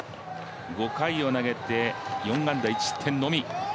５回を投げて４安打１失点のみ。